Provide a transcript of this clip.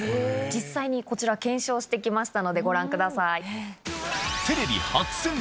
実際にこちら検証してきましたご覧ください。